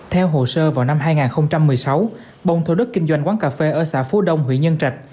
theo hồ sơ vào năm hai nghìn một mươi sáu bông thổ đất kinh doanh quán cà phê ở xã phú đông huyện nhân trà